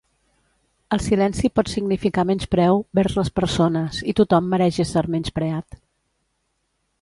El silenci pot significar menyspreu vers les persones i tothom mereix ésser menyspreat.